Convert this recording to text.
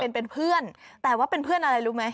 เป็นเพื่อนแต่ว่าเป็นเพื่อนอะไรรู้ไหม